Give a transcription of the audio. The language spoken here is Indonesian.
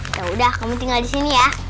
yaudah kamu tinggal disini ya